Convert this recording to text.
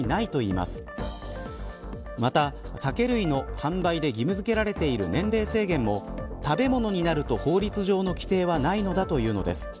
また、酒類の販売で義務づけられている年齢制限も食べ物になると法律上の規定はないのだというのです。